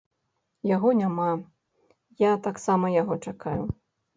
Яго няма, я таксама яго чакаю.